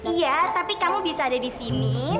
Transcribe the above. iya tapi kamu bisa ada disini